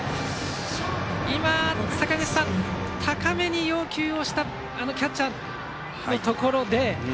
今、高めに要求をしたキャッチャーのところで。